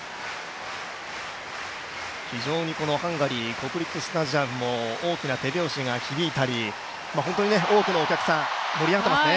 非常にハンガリー国立スタジアムも大きな手拍子が響いたり、本当に多くのお客さん盛り上がってますね。